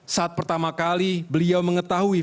saat pertama kali beliau mengetahui vonis doa